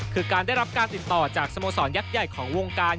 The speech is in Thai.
คือการได้รับการติดต่อจากสโมสรยักษ์ใหญ่ของวงการ